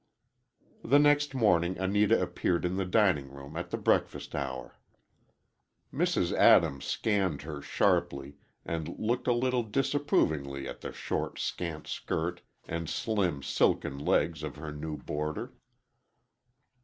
The next morning Anita appeared in the dining room at the breakfast hour. Mrs. Adams scanned her sharply, and looked a little disapprovingly at the short, scant skirt and slim, silken legs of her new boarder.